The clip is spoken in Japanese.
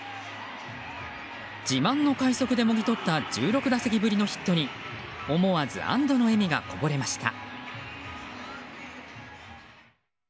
自慢の快速でもぎ取った１６打席ぶりのヒットに思わず安堵の笑みがこぼれました。